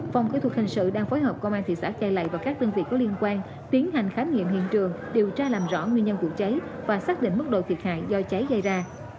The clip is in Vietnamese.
phòng kỹ thuật hình sự đang phối hợp công an thị xã cai lậy và các đơn vị có liên quan tiến hành khám nghiệm hiện trường điều tra làm rõ nguyên nhân vụ cháy và xác định mức độ thiệt hại do cháy gây ra